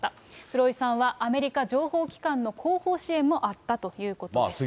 黒井さんは、アメリカ情報機関の後方支援もあったということです。